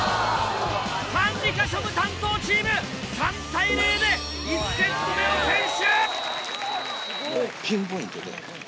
管理課庶務担当チーム３対０で１セット目を先取！